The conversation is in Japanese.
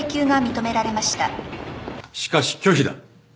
しかし拒否だ。